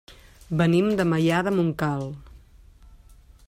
Venim de Maià de Montcal.